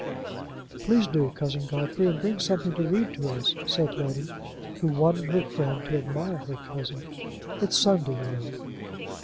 "Please do, Cousin Godfrey; and bring something to read to us," said Letty, who wanted her friend to admire her cousin. "It's Sunday, you know."